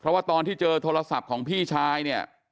เพราะว่าตอนที่เจอโทรศัพท์ของพี่ชายเนี่ย